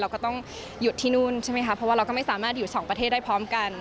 ก็ต้องหยุดที่นู่นใช่ไหมคะเพราะว่าเราก็ไม่สามารถอยู่สองประเทศได้พร้อมกัน